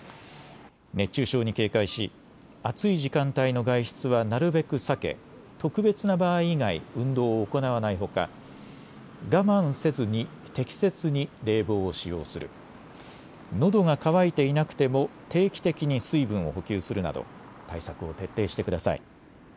熱中症に警戒し暑い時間帯の外出はなるべく避け特別な場合以外、運動を行わないほか、我慢せずに適切に冷房を使用する、のどが渇いていなくても定期的に水分を補給するなど対策を徹底してください。